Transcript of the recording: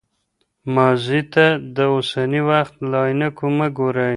ماضي ته د اوسني وخت له عینکو مه ګورئ.